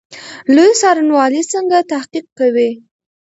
لوی څارنوالي څنګه تحقیق کوي؟